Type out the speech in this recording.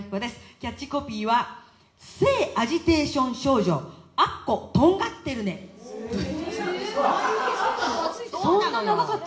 キャッチコピーは、聖アジテーション少女、アッコ、とんがってるそんな長かった？